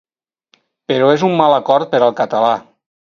Però és un mal acord per al català.